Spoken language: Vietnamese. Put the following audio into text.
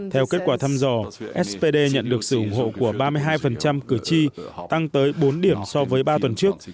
theo kết quả thăm dò spd nhận được sự ủng hộ của ba mươi hai cử tri tăng tới bốn điểm so với ba tuần trước